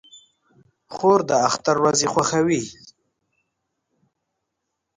خور د اختر ورځې خوښوي.